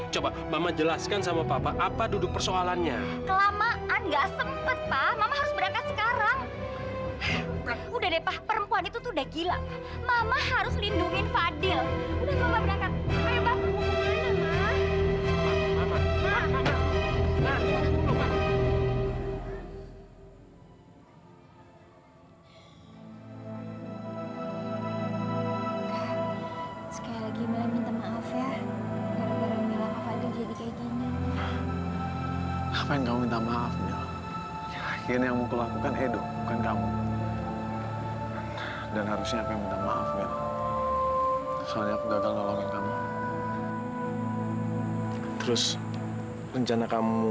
sampai jumpa di video selanjutnya